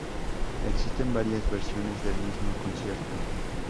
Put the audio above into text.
Existen varias versiones del mismo concierto.